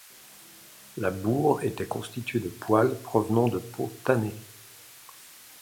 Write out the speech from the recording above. La bourre était constituée de poils provenant des peaux tannées.